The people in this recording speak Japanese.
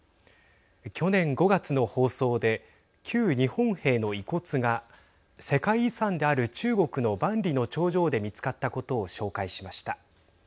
去年５月の放送で旧日本兵の遺骨が世界遺産である中国の万里の長城で見つかったことを紹介しました。